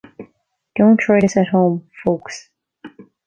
Don't try this at home, folks.